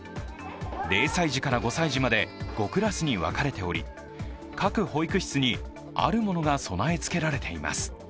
０歳児から５歳児まで５クラスに分かれており各保育室にあるものが備えつけられています。